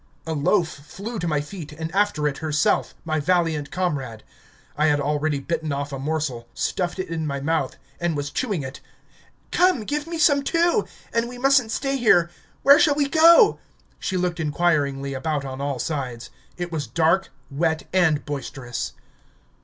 A loaf flew to my feet and after it herself, my valiant comrade. I had already bitten off a morsel, stuffed it in my mouth, and was chewing it... "Come, give me some too!... And we mustn't stay here... Where shall we go?" she looked inquiringly about on all sides... It was dark, wet, and boisterous.